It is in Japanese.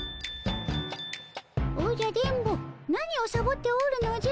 おじゃ電ボ何をサボっておるのじゃ。